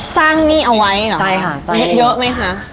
ตั้งหนี้เอาไว้เหรอคะมีเห็นเยอะไหมคะ